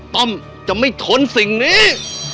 ต้อมจะไม่ทนสิ่งนี้